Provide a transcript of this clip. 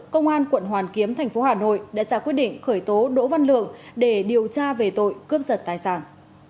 công an quận hoàn kiếm thành phố hà nội đã ra quyết định khởi tố đỗ văn lượng để điều tra về tội cướp giật tài sản